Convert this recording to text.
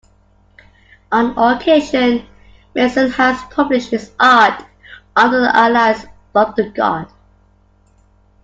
On occasion, Metzen has published his art under the alias Thundergod.